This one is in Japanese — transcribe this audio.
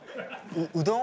ううどん？